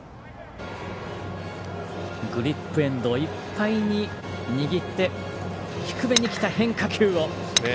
グリップエンドいっぱいに握って低めにきた変化球を。